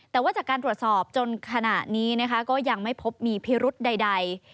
แต่ว่าจากการตรวจสอบจนขณะนี้นะคะก็ยังไม่พบมีพิรุธใด